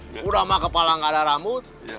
sudah sama kepala tidak ada rambut